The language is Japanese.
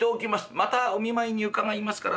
またお見舞いに伺いますから」。